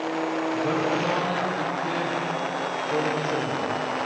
Bir ota-ona ikki qoʻli kesilgan